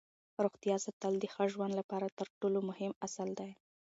روغتیا ساتل د ښه ژوند لپاره تر ټولو مهم اصل دی